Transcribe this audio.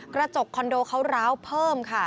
กระจกคอนโดเขาร้าวเพิ่มค่ะ